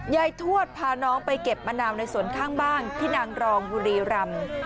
ทวดพาน้องไปเก็บมะนาวในสวนข้างบ้านที่นางรองบุรีรำ